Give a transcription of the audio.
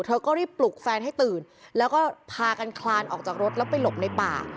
เธอก็รีบปลุกแฟนให้ตื่นแล้วก็พากันคลานออกจากรถแล้วไปหลบในป่า